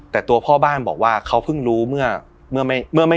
แต่ตัวพ่อบ้านบอกว่าเขาเพิ่งรู้เมื่อไม่